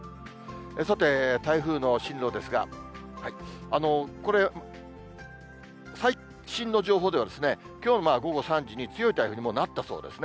さて、台風の進路ですが、これ、最新の情報では、きょうの午後３時に強い台風にもうなったそうですね。